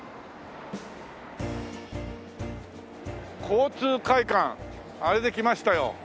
交通会館あれで来ましたよ